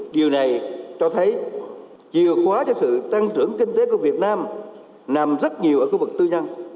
điều này cho thấy chìa khóa cho sự tăng trưởng kinh tế của việt nam nằm rất nhiều ở khu vực tư nhân